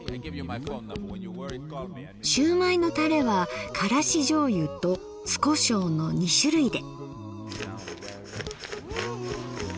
しゅうまいのタレはからしじょうゆと酢コショウの２種類で。